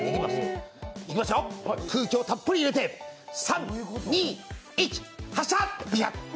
いきますよ、空気をたっぷり入れて３、２、１発射！